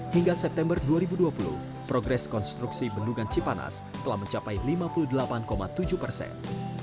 hingga september dua ribu dua puluh progres konstruksi bendungan cipanas telah mencapai lima puluh delapan tujuh persen